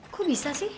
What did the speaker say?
kok bisa sih